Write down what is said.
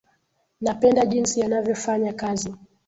Napenda jinsi anavyofanya kazi